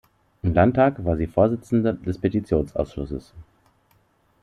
Im Landtag war sie Vorsitzende des Petitionsausschusses.